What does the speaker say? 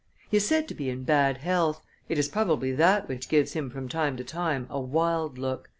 He is said to be in bad health; it is probably that which gives him from time to time a wild look."